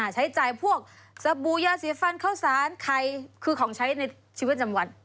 ใช้จ่ายพวกสบู่ยาสีฟันเข้าสารไข่คือของใช้ในชีวิตจำวัน